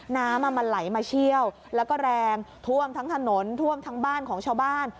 น้ำมันไหลมาเชี่ยวแล้วก็แรงท่วมทั้งถนนท่วมทั้งบ้านของชาวบ้าน